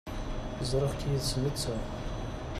Ẓriɣ-k yid-s netta.